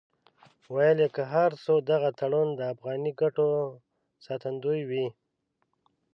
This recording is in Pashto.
ویل یې که هر څو دغه تړون د افغاني ګټو ساتندوی وي.